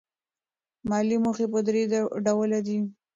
مالي موخې په درې ډوله دي.